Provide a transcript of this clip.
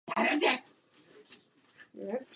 Má turecké a německé občanství.